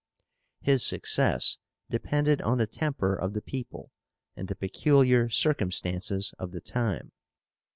His success depended on the temper of the people and the peculiar circumstances of the time.